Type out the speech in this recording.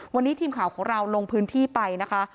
วันนี้ทีมข่าวของเราลงพื้นที่ไปนะคะ